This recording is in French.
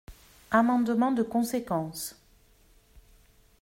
Amendement de conséquence.